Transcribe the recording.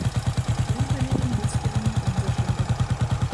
Ён павінен быць кіраўніком дзяржавы.